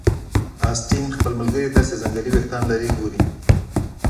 اسټین خپل ملګري ته چې ځنګلي ویښتان لري ګوري